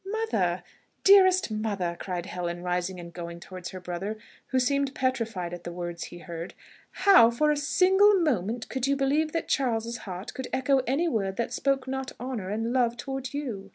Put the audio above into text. "Mother! dearest mother!" cried Helen, rising and going towards her brother, who seemed petrified at the words he heard, "how for a single moment could you believe that Charles's heart could echo any word that spoke not honour and love towards you!"